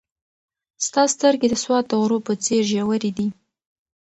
ستا سترګې د سوات د غرو په څېر ژورې دي.